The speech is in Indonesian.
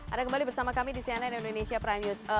ada kembali bersama kami di cnn indonesia prime news